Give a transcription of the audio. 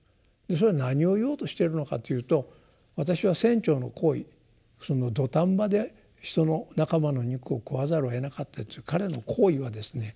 それは何を言おうとしているのかというと私は船長の行為土壇場で人の仲間の肉を食わざるをえなかったっていう彼の行為はですね